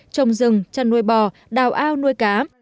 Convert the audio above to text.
trồng rừng chăn nuôi bò đào ao nuôi cá